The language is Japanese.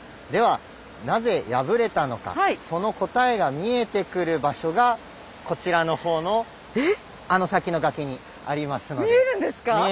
ではなぜ破れたのかその答えが見えてくる場所がこちらの方の見えるんですか？